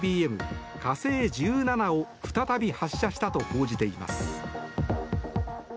「火星１７」を再び発射したと報じています。